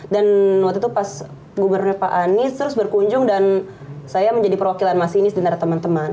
dan waktu itu pas gubernurnya pak anies terus berkunjung dan saya menjadi perwakilan masinis di antara teman teman